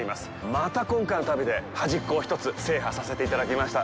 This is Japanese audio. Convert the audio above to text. また今回の旅で端っこを１つ制覇させていただきました。